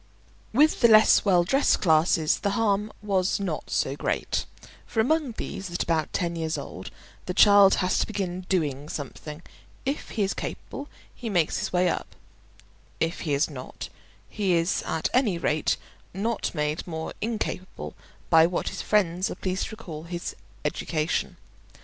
With the less well dressed classes the harm was not so great; for among these, at about ten years old, the child has to begin doing something: if he is capable he makes his way up; if he is not, he is at any rate not made more incapable by what his friends are pleased to call his education.